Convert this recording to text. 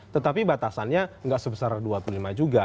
tetapi batasannya nggak sebesar dua puluh lima juga